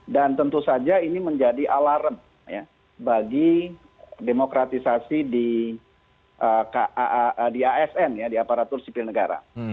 dan tentu saja ini menjadi alarm bagi demokratisasi di asn di aparatur sipil negara